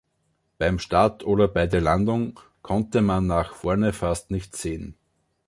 Beim Start oder bei der Landung konnte man nach vorne fast nichts sehen.